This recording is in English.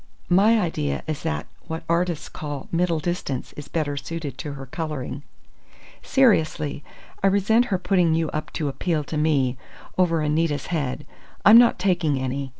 My idea is that what artists call middle distance is better suited to her colouring. Seriously, I resent her putting you up to appeal to me over Anita's head. I'm not taking any!